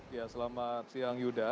ya selamat siang yuda